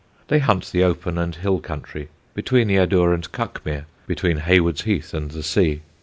They hunt the open and hill country between the Adur and Cuckmere, between Haywards Heath and the sea.